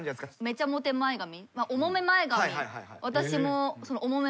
めちゃモテ前髪。